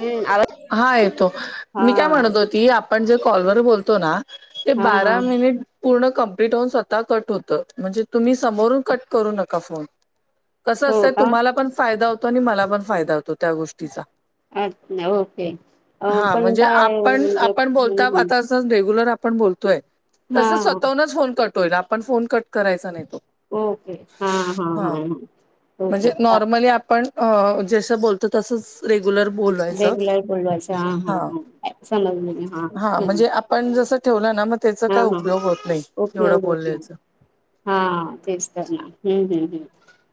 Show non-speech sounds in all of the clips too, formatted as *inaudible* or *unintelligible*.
हम्म आवाज हा येतो हा मी काय म्हणत होते. की आपण जे कॉलवर बोलतो ना ते हा हा बारा मिनिट. पूर्ण कंप्लीट होऊन स्वतः कट होतं म्हणजे तुम्ही समोरून कट करू नका फोन. कसं हो असतंय का तुम्हाला पण फायदा होतो आणि मला पण फायदा होतो त्या गोष्टीचा. अचछा ओके. अ हा पण म्हणजे काय आपण म्हणजे आपण बोलता हम्म आता. रेग्युलर आपण बोलतोय हा तस हा स्वतःूनच फोन कट होईल आपण फोन कट करायचा नाही तो. ओके हा हा हा ओके म्हणजे बा. नॉर्मली आपण अ जसं बोलत तसंच. फोनवर बोलायचं रेग्युलर बोलवायचं हा हा समजले मी हा हम्म म्हणजे. पण जस ठेवलं ना मग त्याचा हा काय हा उपयोग होत नाही एवढं उपयोग होत नाही बोलल्याचं. हा तेच तर ना हम्म हम् हम्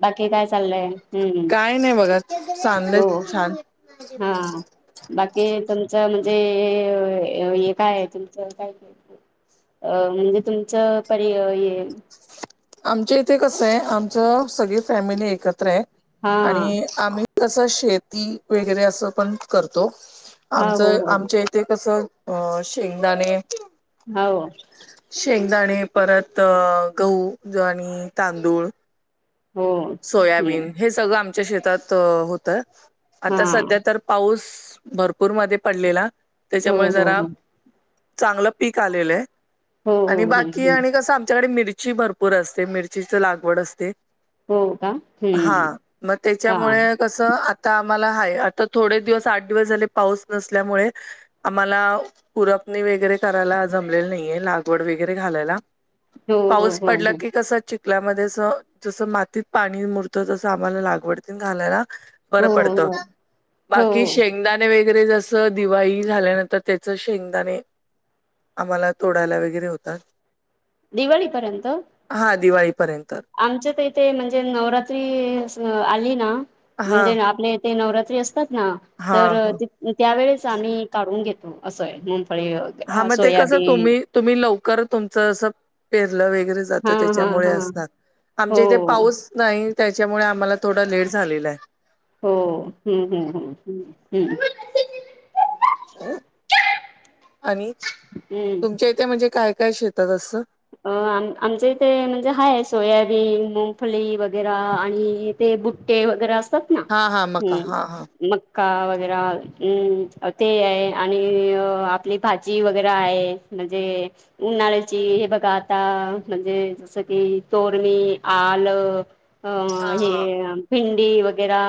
बाकी काय चाललंय. हम्म काय नाही बघा चांगलं. हो हा *inaudible* बाकी तुमचं म्हणजे हे काय आहे तुमचं काय. अ म्हणजे तुमचं पर ये. आमच्या इथे कसं आहे आमच सगळी फॅमिली एकत्र आहे हा आणि आम्ही कस शेती वगैरे असं पण करतो हा हो आमचं हो आमच्या इथे कसं अ शेंगदाणे हो. शेंगदाणे परत गहू ज्वारी तांदूळ. हो हम्म सोयाबीन हे सगळं आमच्या शेतात होतय हा आता सध्या तर. पाऊस भरपूर मध्ये पडलेला हो त्याच्यामुळे हो जरा हो चांगलं पीक आलेलं आहे हो आणि हो हम्म बाकी हम्म आणि भरपूर असते मिरचीची लागवड असते हो का हा हम्म मग हा त्याच्यामुळे कसं आता आम्हाला हाय आता थोडे दिवस आठ दिवस झाले पाऊस नसल्यामुळे आम्हाला पुरपणी वगैरे करायला जमलेली नाहीये लागवड वगैरे घालायला हो हो पाऊस हो पडला हो की कसा च चीकल्यामध्ये जस मातीत पाणी मुरत तसं आम्हाला लागवडतीन घालायला बर हो हो पडत हो बाकी हो. शेंगदाणे वगैरे जस दिवाळी झाल्यानंतर त्याच शेंगदाणे आम्हाला तोडायला वगैरे होतात दिवाळीपर्यंत हा दिवाळीपर्यंत आमच्या तर इथे म्हणजे नवरात्री आस आली ना हा म्हणजे आपले ते नवरात्री असतात ना हा तर ह त्यावेेळेस आम्ही काढून घेतो असं आहे मग फळे हा मग ते कसं तुम्ही तुम्ही लवकर तुमचं असं पेरलं वगैरे जात हा हा त्याच्यामुळे हा असतात हो आमच्या इथे पाऊस नाही त्याच्यामुळे आम्हाला थोडा लेट झालेला आहे हो हम्म हम्म हम्म हम्म हम्म आणि हम्म तुमच्या इथे म्हणजे काय काय शेतात असं अ आम आमच इथे म्हणजे हाय सोयाबीन मुगफली वगैरे आणि ते बुट्टे वगैरे असतात ना हा हा मका हा हा हम्म मक्का वगैर अम् ते आणि आपली भाजी वगैरे आहे म्हणजे उन्हाळ्याची हे बघ गाता म्हणजे जसं कि तोरणी आलं अ हा हे हा भिंडी वगैरा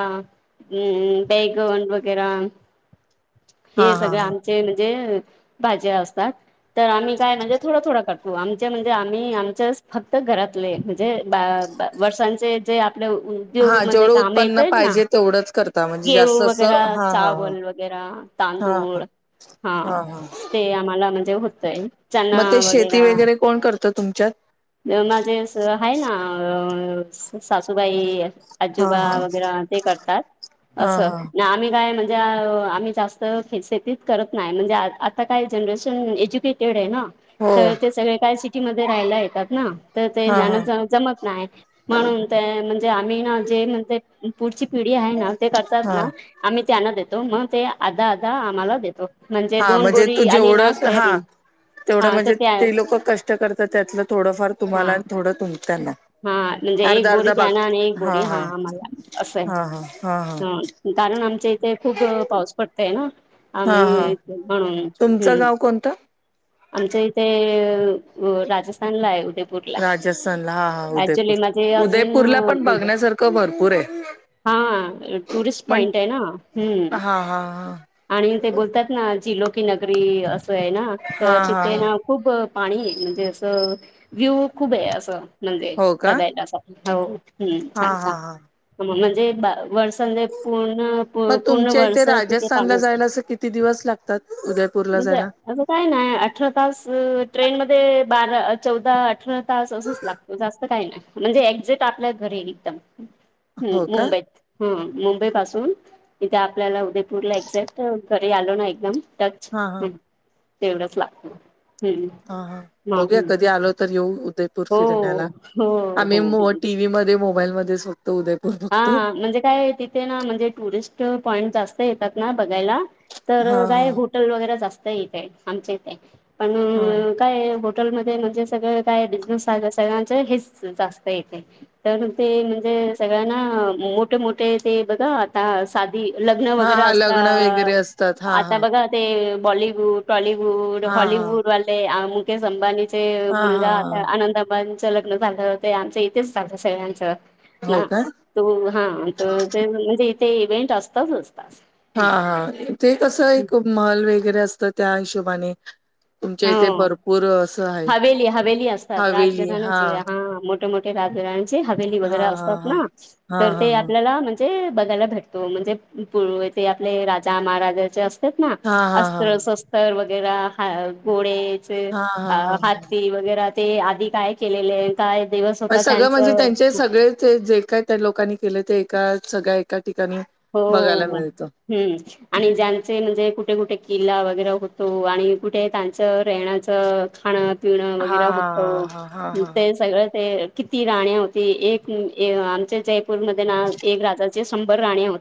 बैगन वैगेरा हा हे हा सगळ हा आमचे म्हणजे भाज्या असतात तर आम्ही काय म्हणजे हो आमच्या म्हणजे आम्ही आमच्या फक्त घरातले म्हणजे वर्षांचे जे आपले हा उद्योगमध्ये जेवढं काम उत्पन्न येतय ना पाहिजे तेवढंच करता म्हणजे घेऊ जास्त वगैरे असं हा हा ह चावल वगैर वैगेरा हा हा तांदूळ हा हा त्यांना मग ते वगैरे शेती आ कोण करतं तुमच्यात माझे आहे ना सासूबाई हा आजोबा हा वगैरे ते करतात हा असं हा आम्ही काय म्हणजे म्हणजे आम्ही जास्त शेतीत करत नाही म्हणजे आता काही जनरेशन एज्युकेटेड आहे ना हो तर ते सगळे काय सिटीमध्ये राहायला येतात ना तर ते हा जाण हा जमत नाही म्हणून ते म्हणजे आम्ही ना जे म्हणजे पुढची पिढी आहे ना ते करतात हा ना आम्ही त्यांना देतो मग ते आधा आधा आम्हाला देतो हा दोन म्हणजे तू बोरी आली ना जेवढं हा सोयाबीन तेवढं हा तर म्हणजे त्या ते लोक कष्ट कर त्यातलं थोडंफार हा तुम्हाला थोडं तुम त्यांना हा म्हणजे एक अर्धा बोरी अर्धा बाग त्याना आणि एक बोरी हा आम्हाला असं आहे हा हा हा हा ह कारण आमच्या इथे खूप पाऊस पडतय ना आम्ही म्हणून हम् कोणत. आमच्या इथे, अ राजस्थानलाय, उद्या राजस्थानला हा हा उदयपूर ऍक्चुली माझे हजबेंड उदयपूरला पण ना बघण्यासारखं भरपूर आहे हा टुरिस्ट पण पॉइंट आहे हा हा ह. आणि ते बोलतात ना, झिलो की नगरी असंय ना, हा त हा तिथे हा ना, खूप पाणीये, म्हणजे असं व्ह्यूव खूपे, असं म्हणजे हो का बघायला अस. हो, हम्म हा छान छान, हा हा म्हणजे वर्सनदे पूर्ण मग पूर्ण तुमच्या इथे वर्ष तिथे राजस्थानला पाणी असत जायला, असं किती दिवस लागतात, उदयपूरला म्हणजे जायला. असं काय नाय, अठरा तास, ट्रेन मध्ये बारा, चौदा, अठरा तास असच लागत, जास्त काय नाय, म्हणजे एक्झेट आपल्या घरी एकदम. हम्म हो का मुंबईत, हम्म मुंबई पासून, इथे आपल्याला उद्यय पूरला एक्झॅक्ट घरी आलो ना, एकदम टच हा हा तेवढंच लागत. हम्म हा हा, मग बघूया कधी आलो तर येऊ उदय हो फिरण्याला, हो आम्ही हो मो हो. टीव्ही मध्ये, मोबाईलमध्ये फक्त उदयपूर बघतो हा, म्हणजे काय त ते ना, म्हणजे टुरिस्ट पॉइंट जास्त येतात ना बघायला, हा तर काय हा होट टल वगैरे जास्त इथे, आमच्या इथे, हा पण काय हॉटेलमध्ये म्हणजे सगळं काय, बिझनेसे सगळ्यांच हेच जास्त येथे. तर ते म्हणजे, सगळ्यांना मोठे मोठे, ते बघा आता, सा ठी, लग्न हा वगैरे हा असता, लग्न वगैरे असतात हा आता हा बघा ते बॉलिवूड, टॉलिवूड, हा हॉलीिवूड हा वाले, मुकेश अंबानी ते ते हा हा मुलगा, आता हा आनंदाबाच लग्न झालं, ते आमच्या इथेच झालत सगळ्यांचं. हो ना, का तू हा ते म्हणजे इथे, इव्हेंट असताच असता. हा हा, ते कसं, एक महल वगैरे असतं, त्या हिशोबाने. तुमच्या इथे हो भरपूर असं हाय, हवेली हवेली असतात हवेली हा. राजघराण्याचे मोठे मोठे राजे राणी चे, हवेली हा वगैरे असतात ना? हा तर हा ते हा आपल्याला म्हण ते बघायला भेटतो, म्हणजे पूर्वी तेआपले राजा महाराजाचे अस तात ना, हा हा हा हा हा अस्र शस्त्र वैगेरे गोळे चे हा हा हा हात हा ती वगैरे ते आधी काय केलेले. काय दिवस, होता सगळं म्हणजे, त्यांचं त्यांचे सगळे ते जे काय त्या लोकांनी केलं ते एका, सगळ्या एका ठिकाणी, हो बघायला मिळतं हम्म. आणि ज्यांचे म्हणजे कुठे कुठे किल्ला वगैरे होतो, आणि कुठे त्यांच राहण्याचं, खाण पिणं हा वगैरे होतं, हा हा हा ते हा सगळं ते किती राण्या होती, एक आमच्या जयपूरमध्ये ना एक राजाचे शंभर राण्या होती. हे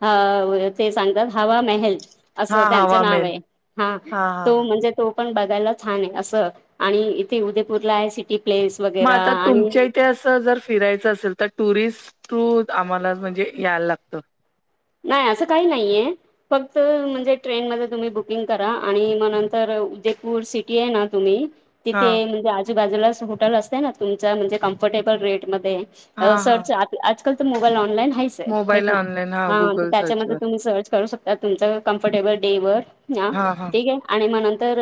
अ ते सांगतात हवा महल. असं हा हा त्यांचं हवा मेल नावे, हा तो म्हणजे तो पण बघायला छाने असं, आणि इथे उदयपूरला आहे सिटी प्लेस. म वगैरे आता, तुमच्या आणि इथे असं जर फिरायचं असेल त, टुरिस्ट टू आम्हाला म्हणजे, यायला लागतं. नाय, असं काही नाहीये. फक्त म्हणजे ट्रेन मध्ये तुम्ही बुकिंग करा, आणि मग नंतर उदयपूर सिटी आहे ना, तुम्ही हा तिथे म्हणजे आजूबाजूलाच हॉटेल असत ना, तुमच म्हणजे, कम्फर्टेबल रेटमध्ये, हा हा सर्च, आजकाल त, मोबाईल ऑनलाईन हाईच. मोबाईल ऑलाईन ह. हा तर त्याच्यामध्ये तुम्ही सर्च करू शकता, तुमचं कम्फर्टेबल डे वर ह हा हा ठीके. आणि मग नंतर,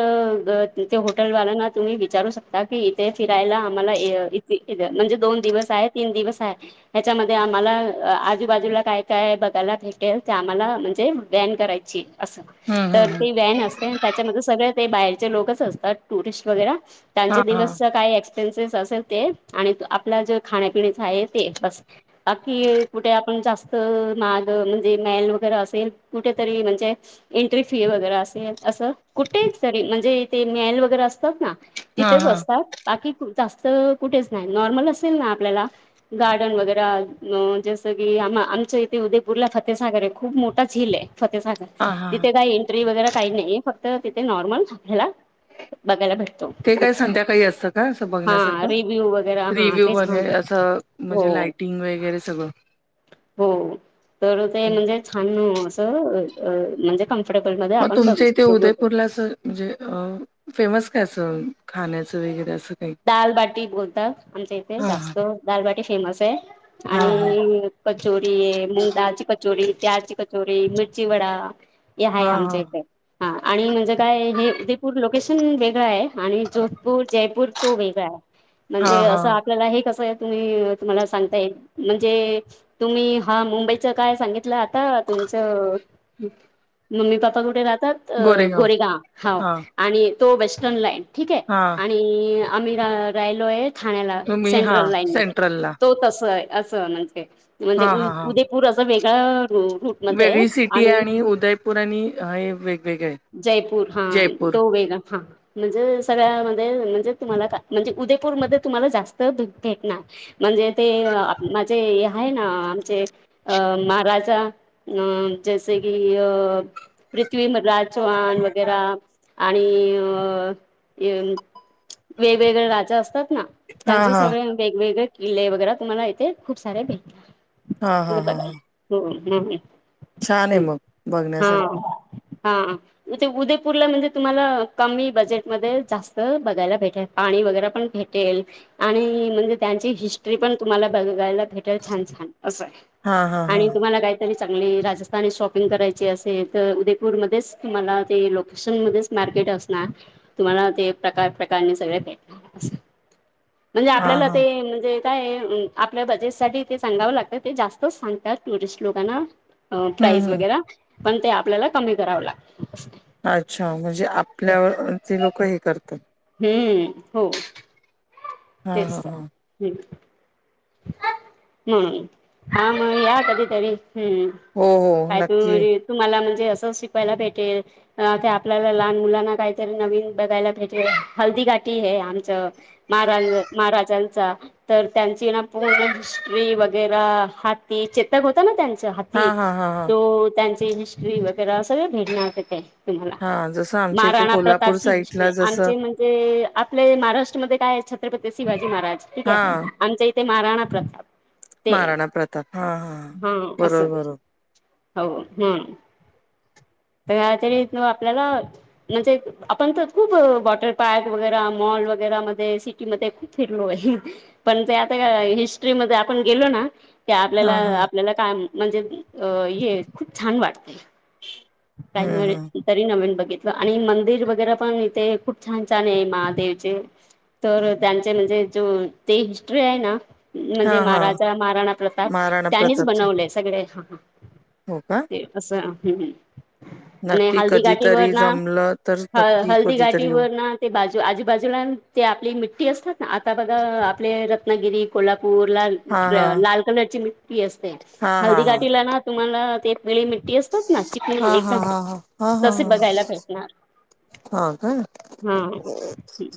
ते हॉटेलवाल्यांना तुम्ही विचारू शकता की, इथे फिरायला आम्हाला म्हणजे दोन दिवस आहे, तीन दिवस आहे. ह्याच्यामध्ये आम्हाला, आजूबाजूला काय काय बघ- भेटेल तर आम्हाला म्हणजे बॅन करायची असं हम्म तर हम्म हम्म ते व्हॅन असते त्याच्यामध्ये सगळे ते बाहेरचे लोकच असतात टुरिस्ट वगैरे त्यांचे हा हा दिवसचा काय एक्सपेन्सिस असेल ते, आणि आपला जे खाण्यापिण्याचा आहे ते, बस. बाकी, कुठे आपण जास्त, ना म्हणजे मल वगैरे असेल कुठेतरी म्हणजे एंट्री फी वगैरे असेल असं कुठे तरी म्हणजे ते मेल वगैरे असतात ना. हा तिथेच हा असतात बाकी जास्त कुठेच नाही नॉर्मल असेल ना आपल्याला गार्डन वगैरे जसं की आ आमच्या इथे उद्या बुरला फतेसागर आहे खूप मोठा झीलल आहे फतेसागर हा हा तिथे काय त वगैरे काही नाही फक्त तिथे नॉर्मल आपल्याला बघायला भेटतो. ते काय संध्याकाळी असतं का असं बघण्यास? रिव्यू वगै रिव्ह्यू म्हणजे असं म्हणजे लायटिंग वगैरे सगळं. हो तर ते म्हणजे छान असं म्हणजे फफर्टेबल मध्ये मग आपण बघ तुमच्या श इथे उदयपूरला असं म्हणजे फेमस काय असं खाण्याचं वगैरे असं काही दालबाटी बोलतात आमच्या इथे हा जास्त दालबाटी फेमस आहे हा हा हा आणि कचोरी, मूग दालची कचोरी, प्याजची कचोरी, मिर्ची वडा, हे आहे हा आमच्या इथे हा आणि म्हणजे काय हे उदयपूर लोकेशन वेगळं आहे. आणि जोधपूर, जयपूर तो वेगळा आहे हा हा म्हणजे हा असं आपल्याला हे कसं तुम्ही तुम्हाला सांगता येत म्हणजे तुम्ही हा मुंबईच काय सांगितलं आता तुमचं? मम्मी, पप्पा कुठे राहतात गोरेगाव हा आणि तो वेस्टर्न लाईड ठीक आहे. हा आणि आम्ही रा राहिलोय ठाण्याला तुम्ही हा सेंट्रल लाईन म सेंट्रलला तो असं म्हणजे म्हणजे हा हा हा उदयपूर असं वेगळा वेगळी सिटी आहे आणि उदयपूर आणि हे वेगवेगळे आहे. जयपूर हा जयपूर तो वेग हा म्हणजे सगळ्यामध्ये म्हणजे तुम्हाला का म्हणजे उदयपूरमध्येध्ये तुम्हाला जास्त दूध भेटणार. म्हणजे ते माझे आहे ना आमचे अ महाराजा अ जैसे की अ पृथ्वी म राज हा चौवाण वगैरा आणि अ वेगवेगळे राजा असतात ना हा त्यांच सगळे वेगवेगळे किल्ले वगैरे तुम्हाला इथे खूप सारे हा भेटात हा हा बघा. हा हम्म हम्म छान आहे हम् मग हा बघण्यासारखं हा उदयपूरला म्हणजे तुम्हाला कमी बजेटमध्ये जास्त बघायला भेटेल. पाणी वगैरे पण भेटेल आणि म्हणजे त्यांची हिस्ट्री पण तुम्हाला बघायला भेट छान, छान अस आहे हा हा हा आणि तुम्हाला काय? तरी चांगली राजस्थानी शॉपिंग करायची असेल तर उदयपूरमध्ये तुम्हाला ते लोकेशन मध्येच मार्केट असणार तुम्हाला ते प्रकार -प्रकार सगळे भे म्हणजे हा आपल्याला हा ते म्हणजे काय आपल्या बजेट साठी ते सांगावं लागतं ते जास्तच सांगतात टुरिस्ट लोकांना. अ हं, प्राईस हं. वगैरे पण ते आपल्याला कमी करावं लागत. अच्छा म्हणजे आपल्यावर ते लोक हे करतात. हम्म हो हां, तेच हां, हां. हम् हा मग या कधीतरी हम्म हो, हो. काय नक्की. तु तुम्हाला म्हणजे असं शिकवायला भेटेल. अ ते आपल्याला लहान मुलांना काहीतरी नवीन बघायला पाहिजे हल्दी गाठी हे आमचं महारा महाराजांचा तर त्यांची ना. *unintelligible* वगैरे हाती चेतक होता ना त्यांच ह ती, हां, हां, हां, हां. तो त्यांचे हिस्ट्री वगैरे सगळ भेटणार ते. तुम्हाला हां, जसं आमच्या इथे महाराणा कोल्हापूर प्रतापची साइडला वि जसं आमचे म्हण ते आपले महाराष्ट्रामध्ये काय आहे छत्रपती शिवाजी महाराज ठीक आहे हां, आमच्या इ ते महाराणा प्रताप. महाराणा प्रताप हा हा बरोबर बरोबर! हो हम्, *unintelligible* आपल्याला म्हणजे आपण तर खूप वॉटर पार्क वगैर मॉल वगैरे मध्ये सी म खूप फिरलो आहे पण त्यात त्या हिस्ट्रीमध्ये आपण गेलो ना ते आपल्याला हां, हां. आपल्याला काम म्हणजे अ ये खूप छान वाटतेय, हं, हं. *unintelligible* तरी नवीन बघितलं आणि मंदिर वगैरे पण इथे खूप छान छान आहे महादेवचे. तर त्यांचे म्हणजे जो ते हिस्ट्री आहे ना. म्हणजे हां, हां. महाराजा महाराणा प्रताप महाराणा त्यांनीच प्रतापचे. बनवले सगळे हा. हो का? ते असं हम हम. आणि नक्की हलदी कधीतरी घाठीवरन, जमलं तर नक्की हळदी कधीतरी येऊ. घाठीवरन ते बाजू आजूबाजूला ते आपली मि्टठी असतात ना आता बघा आपले रत्नागिरी कोल्हापूरला. हां, हां. लाल कलरची मिट्टी असते, हां, हळदी हां, हां. घाटीलाना तुम्हाला ते मिळी मिट्टी असतात ना चिकणी हां, हां, एकदम, हां, हां. तसे बघायला भेटणार. हा काय. हम्.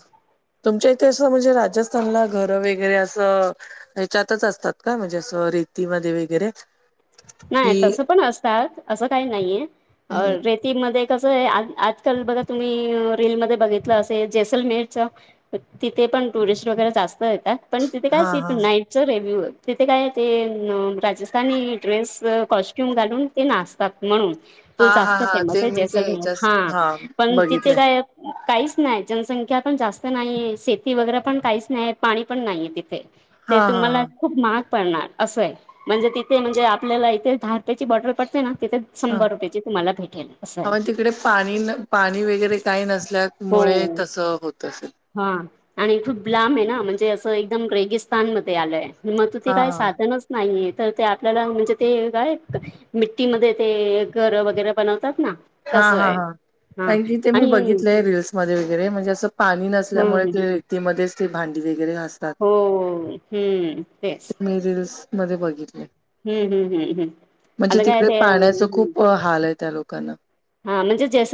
तुमच्या इथे असं म्हणजे राजस्थानला घर वगैरे असं ह्याच्यातच असतात का म्हणजे असं रेतीमध्ये वगैरे. नाही कि तसं पण असतात असं काही नाहीय, अ हम्म रेती ती मध्ये कसं आहे आजकाल बघा तुम्ही रीलमध्ये बघितलं असे जैसलमेहरच तिथे पण टुरिस्ट वगैरे जास्त येतात. पण तिथे काय हा सीट हा नाईटच रेव्ह्यू तिथे काय ते राजस्थानी ड्रेस कॉस्ट्युम घालून ते नाचतात म्हणून. हा तो हा जास्त हा फेमस ते आहे मी ते जैसलम ह्याच्याच हा पण तिथे बघितलंय काय. काहीच नाही जनसंख्या पण जास्त नाहीये शेती वगैरे पण काहीच नाही पाणी पण नाहीये तिथे. ते हा हा तुम्हाला हा खूप महाग पडणार असय म्हणजे तिथे म्हणजे आप आपल्याला इथे दहा रुपयाची बॉटल पडते ना तिथे हा शंभर रुपयाची तुमला भेट ं *unintelligible* अस. हा तिकडे पाणी पाणी वगैरे काही नसल्यामुळे हो. तसं होत असेल. हा आणि खूप लांब आहे ना म्हणजे असं एकदम रेगिस्तान मध्ये आलंय. मग तु ते हा काही हा साधनच नाहीये तर ते आपल्याला म्हणजे ते काय मिट्टीमध्ये ते घर वगैरे बनवतात ना. हा तसं हा आहे हा, हा कारन की ते मी आणि हम्म बघितलेय रीलल्स मध्ये वगैरे म्हणजे असं पाणी नसल्यामुळे हम्म ते रेतीमध्येच ते भांडी वगैरे घास तात, हो हम्म तेच मी रील्स मध्ये बघित हम्म हम्म हम्म, आता काय तिकडे ते पाण्याचं खूप हाल आहे त्या लोकांना हा म्हणजे जस